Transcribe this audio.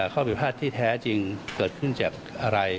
ข้อผิดพลาดที่แท้จริงเกิดขึ้นจากอะไร